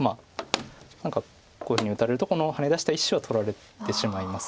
何かこういうふうに打たれるとこのハネ出した１子は取られてしまいます。